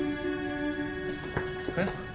えっ？